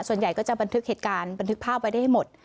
ส่วนใหญ่ก็จะบันทึกเหตุการณ์บันทึกภาพไว้ได้ให้หมด